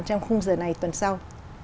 trong khung giờ này tuần sau